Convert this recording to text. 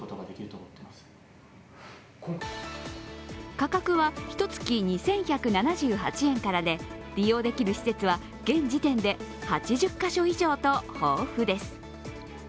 価格はひとつき２１７８円からで利用できる施設は現時点で８０カ所以上と豊富です。